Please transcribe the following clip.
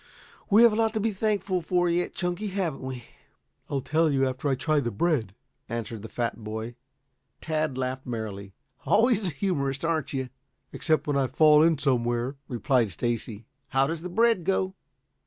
We have a lot to be thankful for yet, Chunky. Haven't we?" "I'll tell you after I try the bread," answered the fat boy. Tad laughed merrily. "Always a humorist, aren't you?" "Except when I fall in somewhere," replied Stacy. "How does the bread go?"